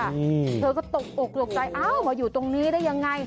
แล้วก็ตกอุกหลวกจันทร์อ้าวเหมือนอยู่ตรงนี้ได้ยังไง